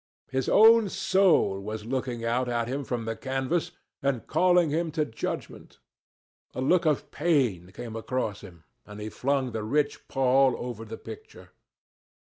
His own soul was looking out at him from the canvas and calling him to judgement. A look of pain came across him, and he flung the rich pall over the picture.